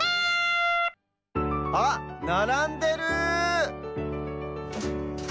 あっならんでる！